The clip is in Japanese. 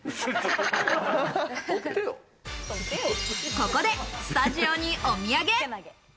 ここでスタジオにお土産。